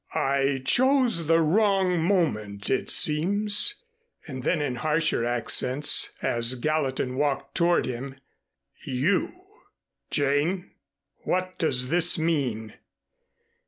"I chose the wrong moment it seems," and then in harsher accents as Gallatin walked toward him. "You! Jane, what does this mean?"